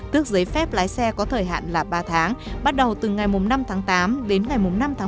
tức giấy phép lái xe có thời hạn là ba tháng bắt đầu từ ngày năm tám đến ngày năm một mươi một hai nghìn hai mươi ba